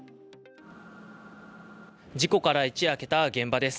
事故から一夜明けた現場です。